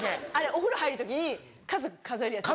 お風呂入る時に数数えるやつですか？